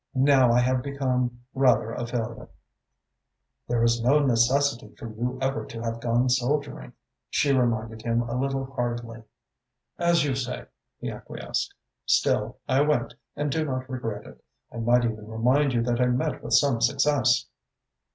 Now I have become rather a failure." "There was no necessity for you ever to have gone soldiering," she reminded him a little hardly. "As you say," he acquiesced. "Still, I went and I do not regret it. I might even remind you that I met with some success."